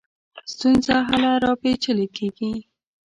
ستونزه هله لا پېچلې کېږي.